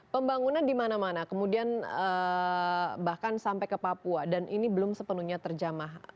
pembangunan di mana mana kemudian bahkan sampai ke papua dan ini belum sepenuhnya terjamah